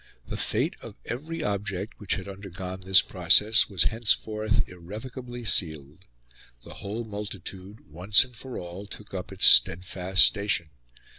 The fate of every object which had undergone this process was henceforth irrevocably sealed. The whole multitude, once and for all, took up its steadfast station.